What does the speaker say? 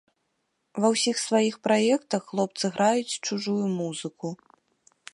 Ва ўсіх сваіх праектах хлопцы граюць чужую музыку.